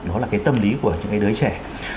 nó là cái tâm lý của những đứa trẻ